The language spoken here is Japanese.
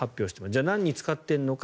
じゃあ何に使っているのか。